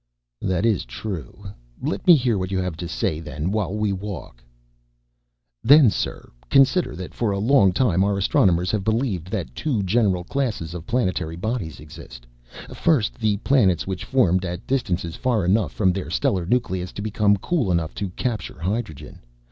"That is true. Let me hear what you have to say then, while we walk." "Then, sir, consider that for a long time our astronomers have believed that two general classes of planetary bodies existed. First, the planets which formed at distances far enough from their stellar nucleus to become cool enough to capture hydrogen.